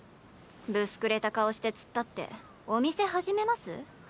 ぶすくれた顔して突っ立って「お店始めます」？